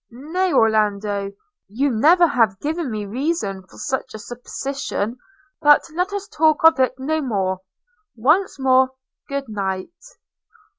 – 'Nay, Orlando, you never have given me reason for such a supposition; but let us talk of it no more – once more, good night!'